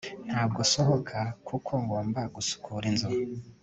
ntabwo nsohotse kuko ngomba gusukura inzu